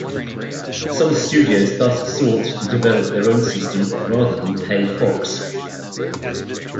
Some studios thus sought to develop their own system rather than pay Fox.